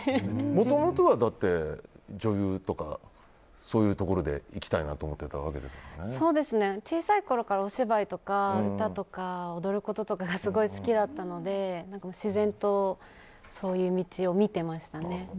もともとは女優とかそういうところでいきたいと小さいころから、お芝居とか歌とか踊ることとかがすごい好きだったので自然と、そういう道を見ていましたね。